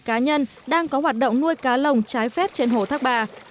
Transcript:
cá nhân đang có hoạt động nuôi cá lồng trái phép trên hồ thác bà